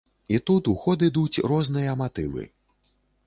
Тут у ход ідуць розныя матывы.